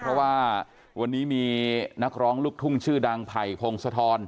เพราะว่าวันนี้มีนักร้องลูกทุ่งชื่อดังไผ่พงศธร